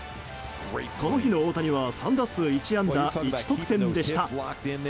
この日の大谷は３打数１安打１得点でした。